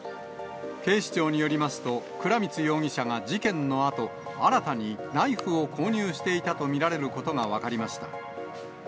警視庁によりますと、倉光容疑者が事件のあと、新たにナイフを購入していたと見られることが分かりました。